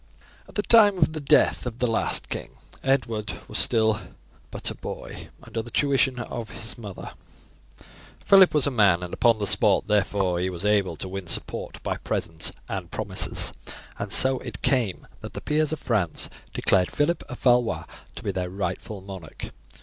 "At the time of the death of the last king, Edward was still but a boy under the tuition of his mother, Phillip was a man, and upon the spot, therefore he was able to win support by presence and promises, and so it came that the peers of France declared Phillip of Valois to be their rightful monarch.